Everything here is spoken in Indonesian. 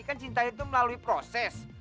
kan cinta itu melalui proses